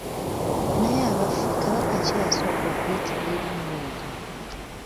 Naye abaffe Kabaka ki eyasooka okuyitibwa erinnya eryo?